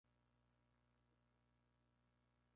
Posteriormente ampliaría sus estudios en la ciudad alemana.